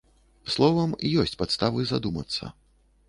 Словам, ёсць падставы задумацца.